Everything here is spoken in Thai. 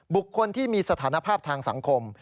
บุคคลที่มีสถานภาพทางสังคม